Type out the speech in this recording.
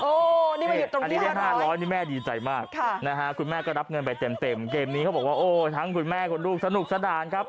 อันนี้ได้๕๐๐นี่แม่ดีใจมากนะฮะคุณแม่ก็รับเงินไปเต็มเกมนี้เขาบอกว่าโอ้ทั้งคุณแม่คุณลูกสนุกสนานครับ